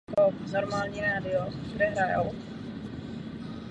Olivy jsou jedním z nejvíce pěstovaných druhů ovoce na světě.